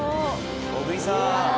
小栗さん。